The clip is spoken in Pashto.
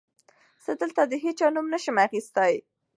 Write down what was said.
زه دلته د هېچا نوم نه شم اخيستی.